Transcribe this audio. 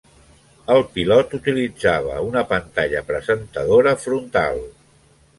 El pilot utilitzava una pantalla presentadora frontal.